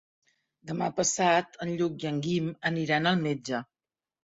Demà passat en Lluc i en Guim aniran al metge.